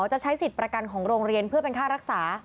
จะใช้สิทธิ์ประกันของโรงเรียนเพื่อเป็นค่ารักษา